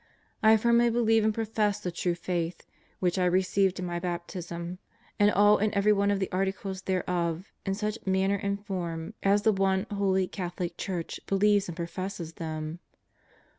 I firmly believe and profess the true Faith, which I received in my baptism, and all and every one of the articles thereof in such manner and form as the One Holy Catholic Church believes and professes them.